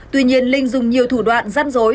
tuy nhiên linh dùng nhiều thủ đoạn giam dối